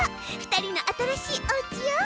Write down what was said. ２人の新しいおうちよ。